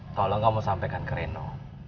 tolong kamu sampaikan ke reno